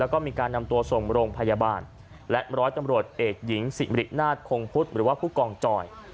ก็มีการนำตัวสมพบภและร้อยตำรวจเอกหญิงศิษย์มิตินาฏโคงฟุทรหรือว่าฟูกองจอย